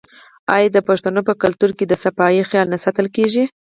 آیا د پښتنو په کلتور کې د صفايي خیال نه ساتل کیږي؟